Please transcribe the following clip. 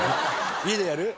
家でやる？